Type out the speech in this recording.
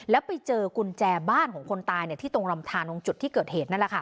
แล้วไปเจอกุญแจบ้านของคนตายที่ตรงรำทานตรงจุดที่เกิดเหตุนั่นแหละค่ะ